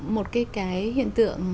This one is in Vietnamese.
một cái cái hiện tượng